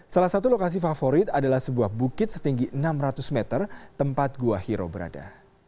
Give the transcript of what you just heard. salah satu lokasi favorit adalah sebuah bukit setinggi enam ratus meter tempat gua hiro berada